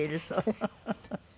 フフフフ！